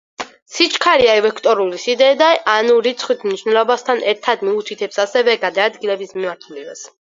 სიჩქარე არის ვექტორული სიდიდე, ანუ რიცხვით მნიშვნელობასთან ერთად მიუთითებს ასევე გადაადგილების მიმართულებას.